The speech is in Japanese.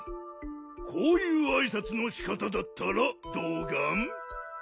こういうあいさつのしかただったらどうガン？